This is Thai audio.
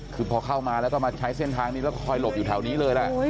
คือพอเข้ามาแล้วก็มาใช้เส้นทางนี้แล้วคอยหลบอยู่แถวนี้เลยล่ะ